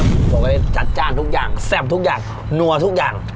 ผมก็เลยจัดจ้านทุกอย่างแซ่บทุกอย่างนัวทุกอย่าง